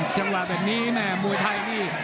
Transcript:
จังหวะแบบนี้แม่มวยไทยนี่